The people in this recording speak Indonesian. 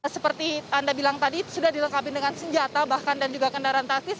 seperti anda bilang tadi sudah dilengkapi dengan senjata bahkan dan juga kendaraan taktis